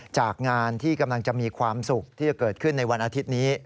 จากงานที่กำลังจะมีความสุขที่จะเกิดขึ้นในวันอาทิตย์นี้